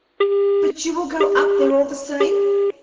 "But you will go up there all the same?"